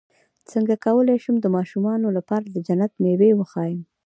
څنګه کولی شم د ماشومانو لپاره د جنت مېوې وښایم